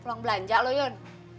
pulang belanja lo yun